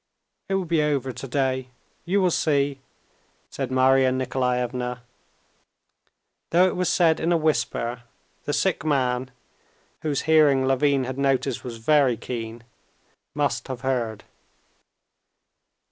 "It will be over today, you will see," said Marya Nikolaevna. Though it was said in a whisper, the sick man, whose hearing Levin had noticed was very keen, must have heard.